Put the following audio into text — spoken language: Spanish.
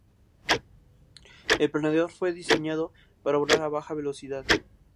El planeador fue diseñado para volar a baja velocidad.